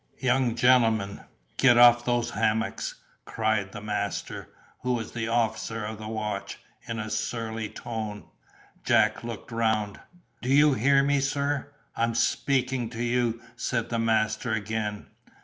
"Young gentleman, get off those hammocks," cried the master, who was officer of the watch, in a surly tone. Jack looked round. "Do you hear me, sir? I'm speaking to you," said the master again.